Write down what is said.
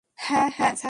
হ্যাঁঁ, হ্যাঁঁ, স্যার!